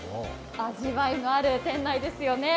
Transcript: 味わいがある店内ですよね。